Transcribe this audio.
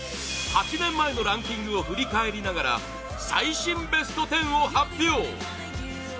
８年前のランキングを振り返りながら最新ＢＥＳＴ１０を発表！